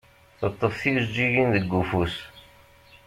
Teṭṭef tijeǧǧigin deg ufus.